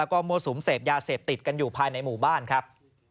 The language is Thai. ก็มั่วสุมเสพยาเสพติดกันอยู่ภายในหมู่บ้านครับ